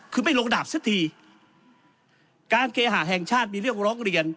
คือไม่ลงดาบสักทีการเคหาแห่งชาติมีเรื่องร้องเรียน